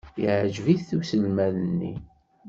Yeɛjeb-it uselmad-nni.